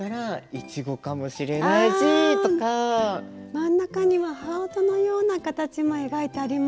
真ん中にはハートのような形も描いてありますけどね。